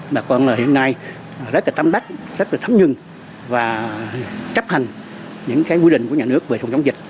bà con hiện nay rất tâm đắc rất thấm nhuận và chấp hành những quy định của nhà nước về chống chống dịch